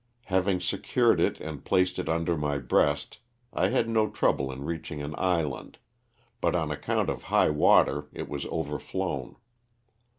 Having secured it and placed it under my breast I had no trouble in reach ing an island, but on account of high water it was overflown.